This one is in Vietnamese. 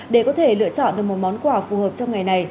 để có thể lựa chọn được một món quà phù hợp trong ngày này